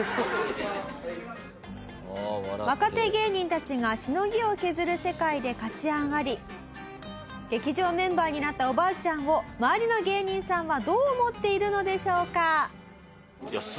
若手芸人たちがしのぎを削る世界で勝ち上がり劇場メンバーになったおばあちゃんを周りの芸人さんはどう思っているのでしょうか？